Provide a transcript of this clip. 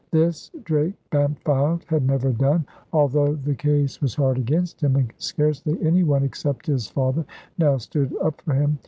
This Drake Bampfylde had never done, although the case was hard against him, and scarcely any one, except his father, now stood up for him.